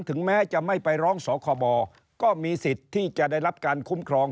ถึงแม้จะไม่ไปร้องสคบก็มีสิทธิ์ที่จะได้รับการคุ้มครอง